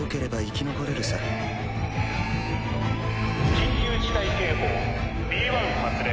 緊急事態警報Ｂ１発令。